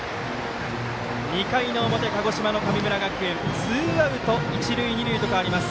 ２回の表、鹿児島の神村学園ツーアウト、一塁二塁と変わります。